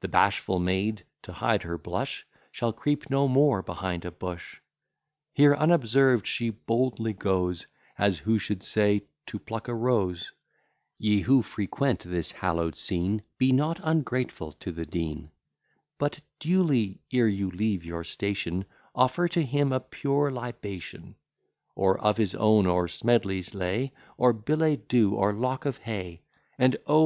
The bashful maid, to hide her blush, Shall creep no more behind a bush; Here unobserved she boldly goes, As who should say, to pluck a rose, Ye, who frequent this hallow'd scene, Be not ungrateful to the Dean; But duly, ere you leave your station, Offer to him a pure libation, Or of his own or Smedley's lay, Or billet doux, or lock of hay: And, O!